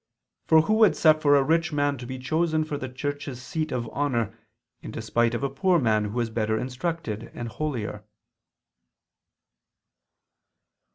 For who would suffer a rich man to be chosen for the Church's seat of honor, in despite of a poor man who is better instructed and holier?"